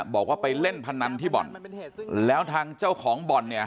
บอกว่าไปเล่นพนันที่บ่อนแล้วทางเจ้าของบ่อนเนี่ย